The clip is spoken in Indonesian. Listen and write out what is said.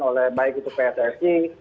oleh baik itu pssi